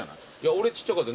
俺ちっちゃかった。